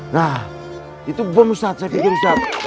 nah itu bom ustad saya pikir ustad